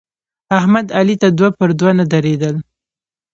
احمد علي ته دوه پر دوه نه درېدل.